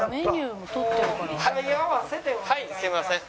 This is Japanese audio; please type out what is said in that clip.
はいすいません。